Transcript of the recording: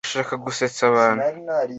Ashaka gusetsa abantu